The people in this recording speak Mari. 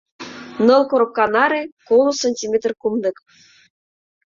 — Ныл коробка наре — коло сантиметр кумдык.